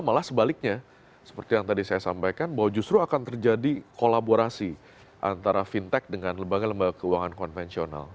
malah sebaliknya seperti yang tadi saya sampaikan bahwa justru akan terjadi kolaborasi antara fintech dengan lembaga lembaga keuangan konvensional